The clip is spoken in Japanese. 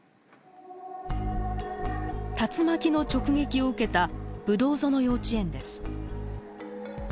竜巻の直撃を受けたぶどうぞの幼稚園です。